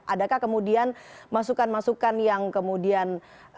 adakah kemudian masukan masukan yang kemudian